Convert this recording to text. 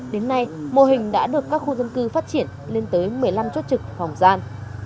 đến nay mô hình đã được các khu dân cư phát triển lên tới một mươi năm chốt trực phòng gian